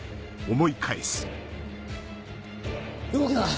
動くな！